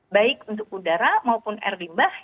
baik untuk udara maupun air limbah